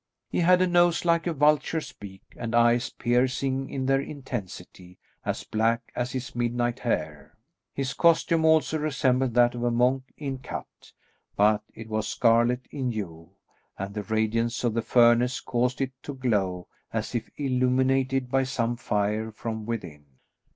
He had a nose like a vulture's beak, and eyes piercing in their intensity, as black as his midnight hair. His costume also resembled that of a monk in cut, but it was scarlet in hue; and the radiance of the furnace caused it to glow as if illumined by some fire from within.